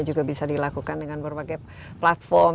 juga bisa dilakukan dengan berbagai platform